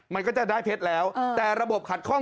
มันก็จะได้เพชรแล้วแต่ระบบขัดข้อง